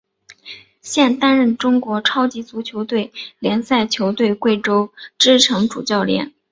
现担任中国超级足球联赛球队贵州智诚主教练。